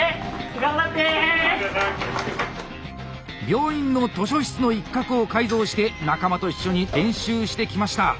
病院の図書室の一角を改造して仲間と一緒に練習してきました。